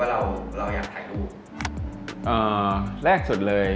อ่าแรกสุดเลย